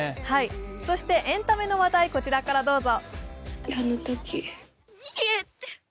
そして、エンタメの話題、こちらからどうぞ。